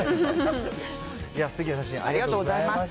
いや、すてきな写真、ありがとうございました。